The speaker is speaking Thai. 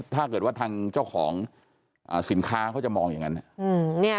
ถ้าเกิดว่าทางเจ้าของสินค้าเขาจะมองอย่างนั้น